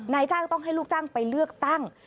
นายจ้างต้องให้ลูกจ้างไปเลือกตั้ง